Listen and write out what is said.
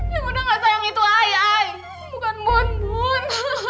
yang udah gak sayang itu ai ai bukan bunbun